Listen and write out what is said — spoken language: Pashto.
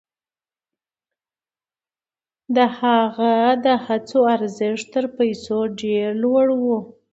د هغه د هڅو ارزښت تر پیسو ډېر لوړ و.